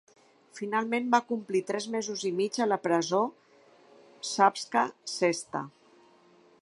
Finalment va complir tres mesos i mig a la presó Savska Cesta.